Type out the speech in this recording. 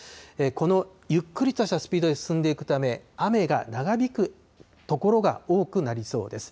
このゆっくりとしたスピードで進んでいくため、雨が長引く所が多くなりそうです。